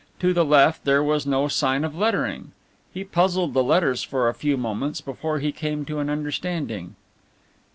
To the left there was no sign of lettering. He puzzled the letters for a few moments before he came to an understanding.